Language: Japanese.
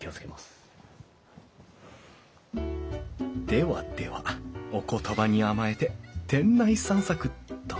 ではではお言葉に甘えて店内散策っと。